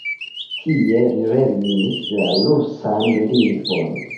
Tie li lernis la rusan lingvon.